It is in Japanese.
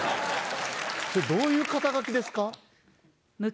それどういう肩書ですか？